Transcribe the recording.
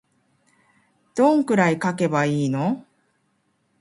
どんくらい書けばいいの